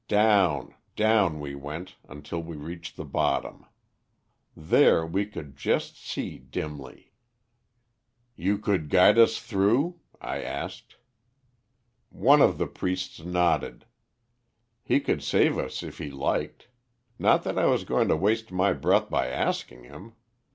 Down, down we went until we reached the bottom. There we could just see dimly. "'You could guide us through?' I asked. "One of the priests nodded. He could save us if he liked. Not that I was going to waste my breath by asking him.